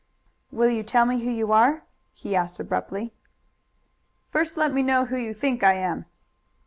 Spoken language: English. "Will you tell me who you are?" he asked abruptly. "First let me know who you think I am."